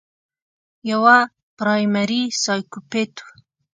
يوه پرائمري سايکوپېت